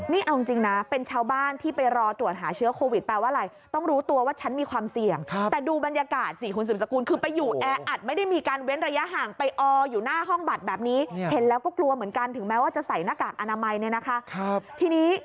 นี่เอาจริงนะเป็นชาวบ้านที่ไปรอตรวจหาเชื้อโควิดแปลว่าอะไร